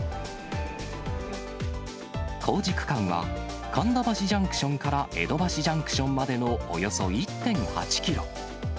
工事区間は、神田橋ジャンクションから江戸橋ジャンクションまでのおよそ１．８キロ。